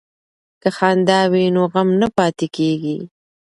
که خندا وي نو غم نه پاتې کیږي.